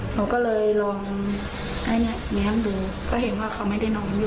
หนูก็เลยลองเลี้ยงดูก็เห็นว่าเขาไม่ได้นอนอยู่